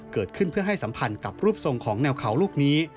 เกิดขึ้นเพื่อให้สัมพันธ์กับรูปทรงของแนวเขาลูกนี้